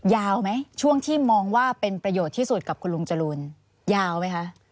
ยาวไหมช่วงที่มองว่าเป็นประโยชน์ที่สุดกับคุณลุงจรูนยาวไหมคะ